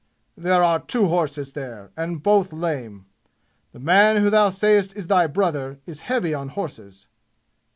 "There are two horses there, and both lame. The man who thou sayest is thy brother is heavy on horses."